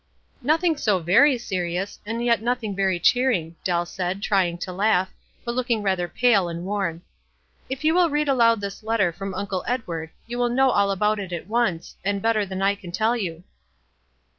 "Nothing so very serious, and yet nothing very cheering," Dell said, trying to laugh, but looking rather pale and worn. "If you will read aloud this letter from Uncle Edward you will know all about it at once, and better than I can tell you."